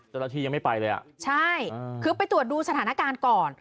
เจ้าหน้าที่ยังไม่ไปเลยอ่ะใช่คือไปตรวจดูสถานการณ์ก่อน